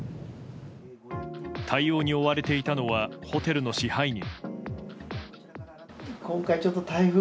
対応に追われていたのはホテルの支配人。